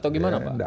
atau gimana pak